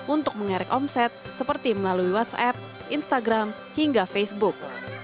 untuk mengerik omset seperti melalui whatsapp instagram hingga facebook